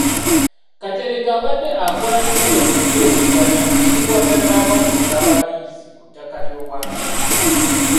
Kateregga abadde akola kinene mu nteeseganya ezikwatagana n’okugaba liizi ku ttaka ly’Obwakabaka.